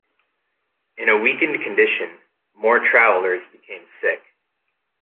In a weakened condition, more travelers became sick.